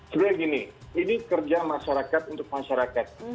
sebenarnya gini ini kerja masyarakat untuk masyarakat